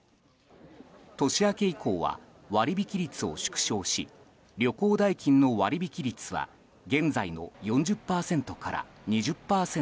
年明け以降は割引率を縮小し旅行代金の割引率は現在の４０％から２０％へ。